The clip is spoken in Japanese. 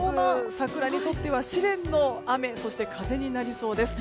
桜にとっては試練の雨そして風になりそうです。